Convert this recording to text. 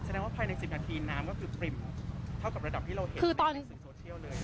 แสดงว่าภายใน๑๐นาทีน้ำก็คือปริ่มเท่ากับระดับที่เราเห็นคือตอนนี้สื่อโซเชียลเลย